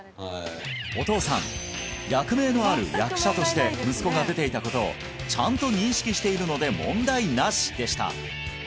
お父さん役名のある役者として息子が出ていたことをちゃんと認識しているので問題なしでした